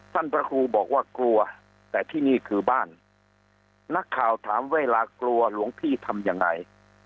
พระครูบอกว่ากลัวแต่ที่นี่คือบ้านนักข่าวถามเวลากลัวหลวงพี่ทำยังไง